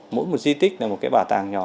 mỗi một di tích là một cái bảo tàng nhỏ